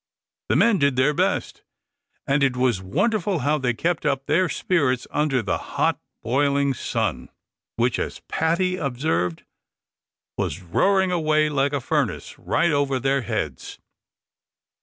The men did their best, and it was wonderful how they kept up their spirits under the hot broiling sun, which, as Paddy observed, "was roaring away like a furnace, right over their heads."